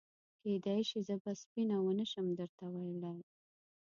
کېدای شي زه به سپینه ونه شم درته ویلای.